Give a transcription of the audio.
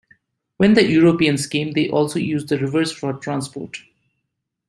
When the Europeans came they also used the rivers for transport.